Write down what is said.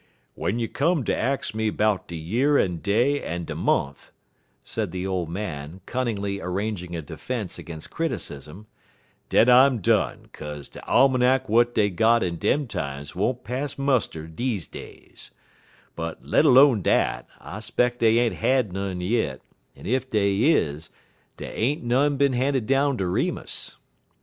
"W'en you come ter ax me 'bout de year en day er de mont'," said the old man, cunningly arranging a defence against criticism, "den I'm done, kaze de almanick w'at dey got in dem times won't pass muster deze days, but, let 'lone dat, I 'speck dey ain't had none yit; en if dey is, dey ain't none bin handed down ter Remus.